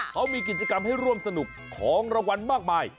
เขามีกิจกรรมให้ร่วมสนุกของรางวัลมากมาย